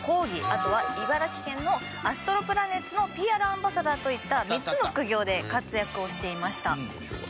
あとは茨城県のアストロプラネッツのＰＲアンバサダーといった３つの副業で活躍をしていました。